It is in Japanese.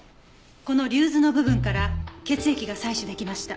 この竜頭の部分から血液が採取できました。